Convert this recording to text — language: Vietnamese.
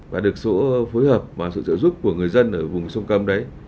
và được số phối hợp và sự trợ giúp của người dân ở vùng sông cấm đấy